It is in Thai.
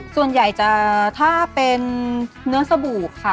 ส่วนใหญ่จะถ้าเป็นเนื้อสบู่ค่ะ